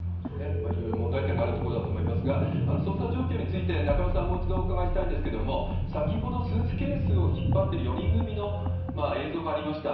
いろいろ問題点があるところだと思いますが、捜査状況について、中野さん、もう一度お伺いしたいんですけれども、先ほど、スーツケースを引っ張ってる４人組の映像がありました。